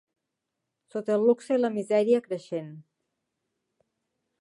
Sota el luxe i la misèria creixent